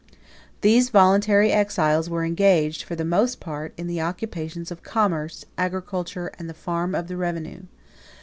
31 These voluntary exiles were engaged, for the most part, in the occupations of commerce, agriculture, and the farm of the revenue.